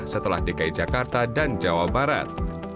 setelah dki jakarta dan jawa barat